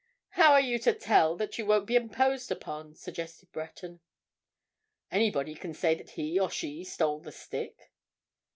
"How are you to tell that you won't be imposed upon?" suggested Breton. "Anybody can say that he or she stole the stick."